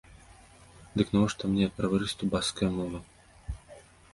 Дык навошта мне, раварысту, баскская мова?